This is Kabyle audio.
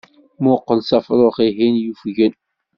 Muqel s afrux-ihin yufgen.